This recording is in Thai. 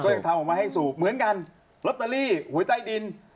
ยังทำออกมาให้สูบเหมือนกันลอตเตอรี่หวยใต้ดิน